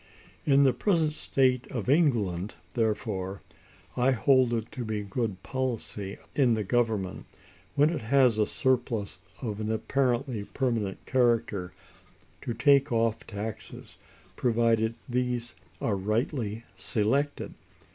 In the present state of England, therefore, I hold it to be good policy in the Government, when it has a surplus of an apparently permanent character, to take off taxes, provided these are rightly selected.